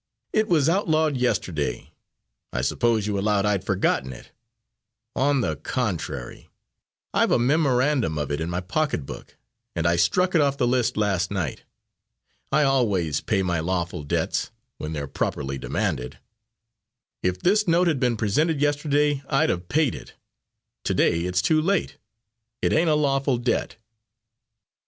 "It was outlawed yesterday. I suppose you allowed I'd forgotten it. On the contrary, I've a memorandum of it in my pocketbook, and I struck it off the list last night. I always pay my lawful debts, when they're properly demanded. If this note had been presented yesterday, I'd have paid it. To day it's too late. It ain't a lawful debt."